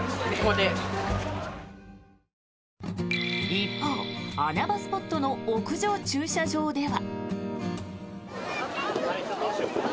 一方、穴場スポットの屋上駐車場では。